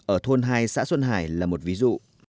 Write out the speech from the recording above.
ở thôn hai xã xuân hải là một ví dụ